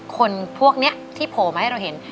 คนพวกนี้ที่โผล่มาให้เราเห็น